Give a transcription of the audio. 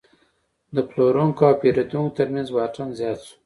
د پلورونکو او پیرودونکو ترمنځ واټن زیات شو.